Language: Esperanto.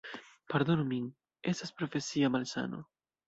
Pardonu min, estas profesia malsano.